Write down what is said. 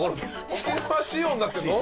沖縄仕様になってんの？